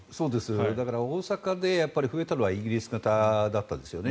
だから大阪で増えたのはイギリス型だったんですよね。